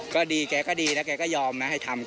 ก็ดีแกก็ดีนะแกก็ยอมนะให้ทำ